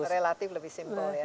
relatif lebih simple